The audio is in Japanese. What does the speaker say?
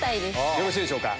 よろしいでしょうか？